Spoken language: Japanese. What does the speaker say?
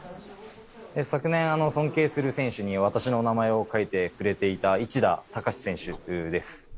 昨年、尊敬する選手に私の名前を書いてくれていた市田孝選手です。